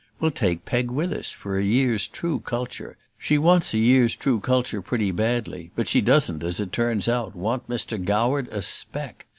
We'll take Peg with us for a year's true culture; she wants a year's true culture pretty badly, but she doesn't, as it turns out, want Mr. Goward a 'speck.'